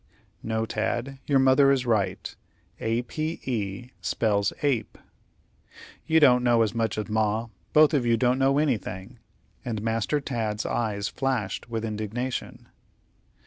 "No, Tad; your mother is right. A p e spells ape." "You don't know as much as Ma. Both of you don't know anything;" and Master Tad's eyes flashed with indignation.